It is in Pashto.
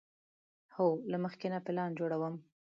هو، له مخکې نه پلان جوړوم